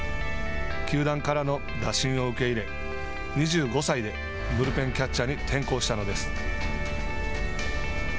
球団からの打診を受け入れ２５歳でブルペンキャッチャーに転向したのです。